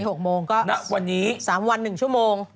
หลายหกโมงก็แล้ววันนี้สามวันหนึ่งชั่วโมง